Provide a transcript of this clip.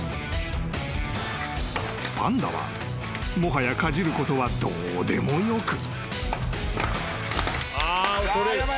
［パンダはもはやかじることはどうでもよく］